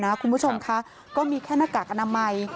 คุณผู้ชมค่ะก็มีแค่หน้ากากอนามัย